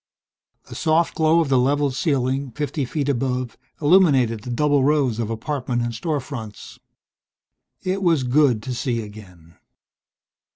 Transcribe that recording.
The soft glow of the level's ceiling, fifty feet above, illuminated the double rows of apartment and store fronts. It was good to see again.